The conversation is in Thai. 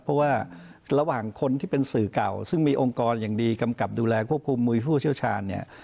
เพราะว่าระหว่างคนที่เป็นสื่อเก่าซึ่งมีองค์กรอย่างดีกำกับดูแลควบคุมมือผู้เชี่ยวชาญเนี่ย